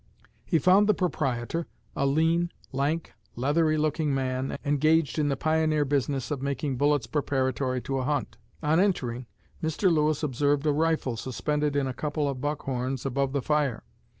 He found the proprietor, a lean, lank, leathery looking man, engaged in the pioneer business of making bullets preparatory to a hunt. On entering, Mr. Lewis observed a rifle suspended in a couple of buck horns above the fire.